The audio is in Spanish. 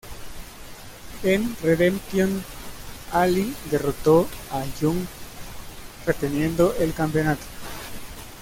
En Redemption, Allie derrotó a Yung, reteniendo el campeonato.